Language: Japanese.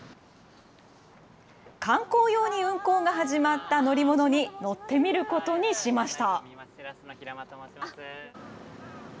観光用に運行が始まった乗り物に乗ってみることにしました。